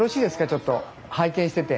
ちょっと拝見してて。